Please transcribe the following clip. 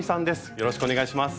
よろしくお願いします。